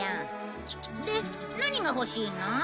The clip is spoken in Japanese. で何が欲しいの？